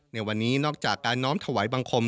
ในวันนี้นอกจากการน้อมถวายบังคม